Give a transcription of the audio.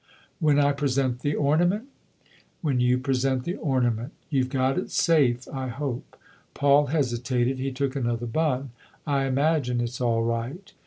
" When I present the ornament ?" "When you present the ornament* You've got it safe, I hope ?" Paul hesitated ; he took another bun; " I imagine it's all right."